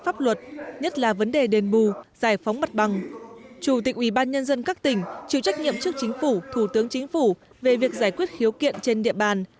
phủ tướng chính phủ về việc giải quyết hiếu kiện trên địa bàn